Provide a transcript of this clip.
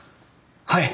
はい！